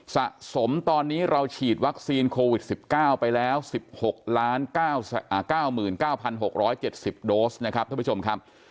สะสมตอนนี้เราฉีดวัคซีนโควิด๑๙ไปแล้ว๑๖๙๙๖๗๐โดสนะครับท่านผู้ชมครับ